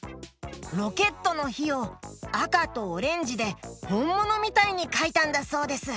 ロケットのひをあかとオレンジでほんものみたいにかいたんだそうです！